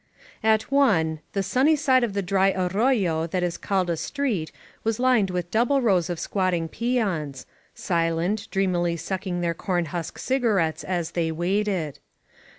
At one, the sunny side of the dry arroyo that is called a street was lined with double rows of squat* ting peons — silent, dreamily sucking their corn husk cigarettes as they waited.